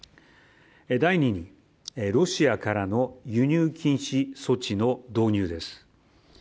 第２にロシアからの輸入禁止措置の導入です。